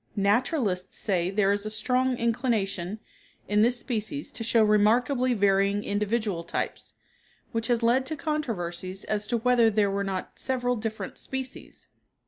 Naturalists say there is a strong inclination in this species to show remarkably varying individual types, which has led to controversies as to whether there were not several different species.